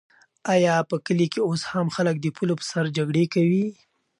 آیا په کلي کې اوس هم خلک د پولو په سر جګړې کوي؟